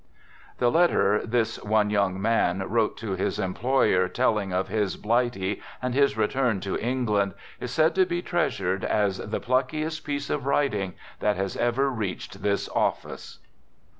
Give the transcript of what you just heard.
The letter this " One Young Man 99 wrote to his employer telling of his " blighty," and his return to England, is said to be treasured as " the pluckiest piece of writing that has ever reached this office."